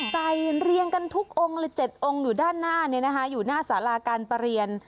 เรียงกันทุกองค์เลย๗องค์อยู่ด้านหน้าอยู่หน้าสาราการประเรียน